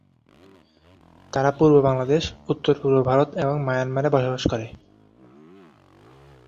তারা পূর্ব বাংলাদেশ, উত্তর-পূর্ব ভারত এবং মায়ানমারে বসবাস করে।